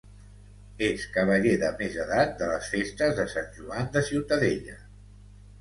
És cavaller de més edat de les Festes de Sant Joan de Ciutadella.